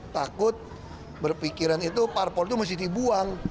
takut berpikiran itu parpol itu mesti dibuang